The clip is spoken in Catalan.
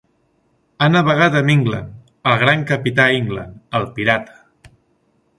Ha navegat amb England, el gran Capità England, el pirata.